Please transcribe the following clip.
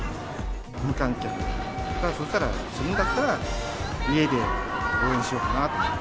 無観客、そしたら、自分だったら家で応援しようかなと思って。